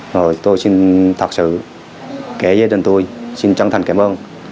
rồi tôi xin thật sự kể với đơn tôi xin chân thành cảm ơn